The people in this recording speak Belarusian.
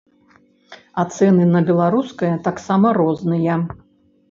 А цэны на беларускае таксама розныя.